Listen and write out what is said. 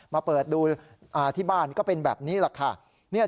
มาเปิดดูที่บ้านก็เป็นแบบนี้แหละค่ะ